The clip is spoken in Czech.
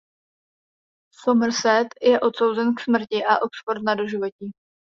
Somerset je odsouzen k smrti a Oxford na doživotí.